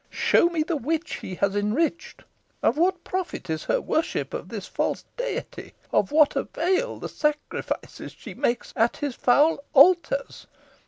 Show me the witch he has enriched. Of what profit is her worship of the false deity of what avail the sacrifices she makes at his foul altars?